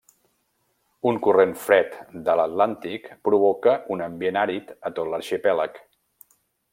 Un corrent fred de l'Atlàntic provoca un ambient àrid a tot l'arxipèlag.